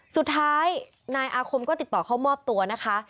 สุดท้ายนายอาคมก็ติดต่อเข้ามอบตัวนะคะ